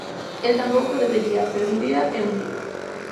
_Eu tampouco debería, pero un día é un día.